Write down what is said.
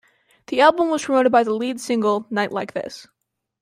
The album was promoted by the lead single "Night Like This".